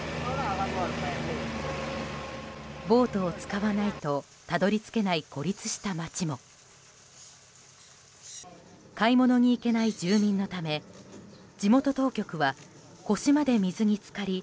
ボートを使わないとたどり着けない孤立した街も買い物に行けない住民のため地元当局は腰まで水に浸かり